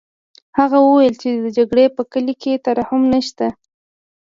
هغه وویل چې د جګړې په کلي کې ترحم نشته